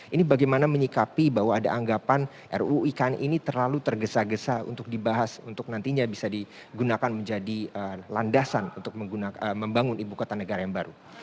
ini bagaimana menyikapi bahwa ada anggapan ruu ikn ini terlalu tergesa gesa untuk dibahas untuk nantinya bisa digunakan menjadi landasan untuk membangun ibu kota negara yang baru